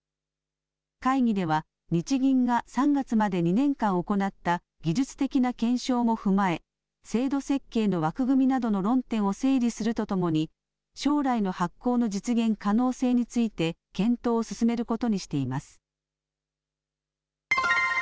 会議では日銀が３月まで２年間行った技術的な検証も踏まえ制度設計の枠組みなどの論点を整理するとともに将来の発行の実現可能性について検討を進めることにしています。